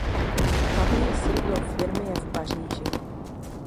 Hlavní sídlo firmy je v Paříži.